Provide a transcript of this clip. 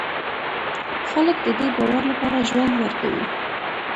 خلک د دې باور لپاره ژوند ورکوي.